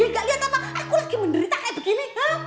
emang dia gak liat apa aku lagi menderita kayak begini